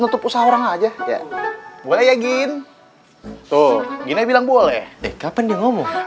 menutup usaha orang aja ya boleh ya gin tuh gini bilang boleh dekapan di ngomong